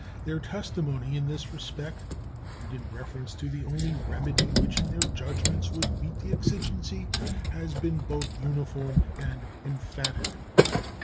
Their testimony in this respect and in reference to the only remedy which in their judgments would meet the exigency has been both uniform and emphatic.